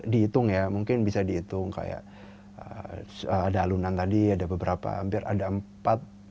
dihitung ya mungkin bisa dihitung kayak ada alunan tadi ada beberapa hampir ada empat